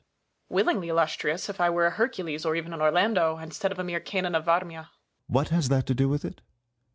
Willingly, Illustrious, if I were a Hercules, or even an Orlando, instead of a mere Canon of Varmia. Sun. What has that to do with it